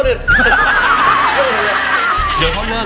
เดี๋ยวเค้าเลือก